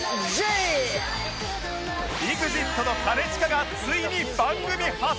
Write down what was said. ＥＸＩＴ の兼近がついに番組初登場！